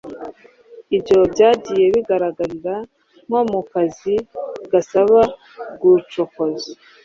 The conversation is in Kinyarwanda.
Ibyo byagiye bigaragarira nko mu kazi gasaba gucokoza